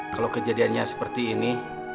kalau kejadiannya seperti ini